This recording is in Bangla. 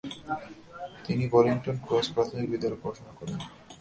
তিনি বলিংটন ক্রস প্রাথমিক বিদ্যালয়ে পড়াশোনা করেন।